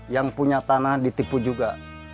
yang punya tanah ditipu juga